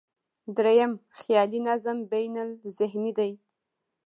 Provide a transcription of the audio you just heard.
درېیم، خیالي نظم بینالذهني دی.